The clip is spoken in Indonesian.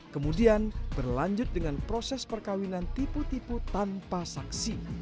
kemudian berlanjut dengan proses perkawinan tipu tipu tanpa saksi